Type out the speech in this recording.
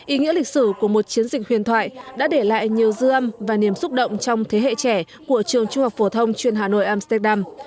ý nghĩa lịch sử của một chiến dịch huyền thoại đã để lại nhiều dư âm và niềm xúc động trong thế hệ trẻ của trường trung học phổ thông chuyên hà nội amsterdam